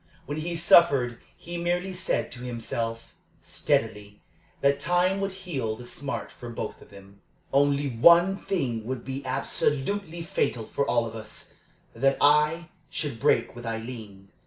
When he suffered he merely said to himself, steadily, that time would heal the smart for both of them. "Only one thing would be absolutely fatal for all of us that I should break with Aileen."